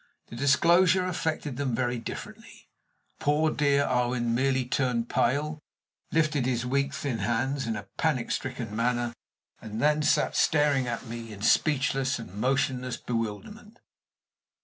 The disclosure affected them very differently. Poor dear Owen merely turned pale, lifted his weak, thin hands in a panic stricken manner, and then sat staring at me in speechless and motionless bewilderment.